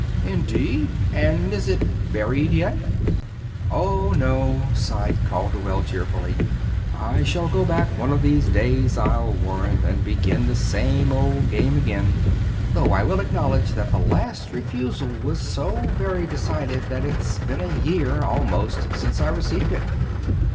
"Indeed! And is it buried, yet?" "Oh, no," sighed Calderwell, cheerfully. "I shall go back one of these days, I'll warrant, and begin the same old game again; though I will acknowledge that the last refusal was so very decided that it's been a year, almost, since I received it.